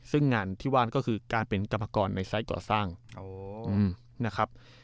ซึ่งงานที่ว่าก็คือการเป็นกรรมกรในไซส์กรสร้างอ๋ออืมนะครับ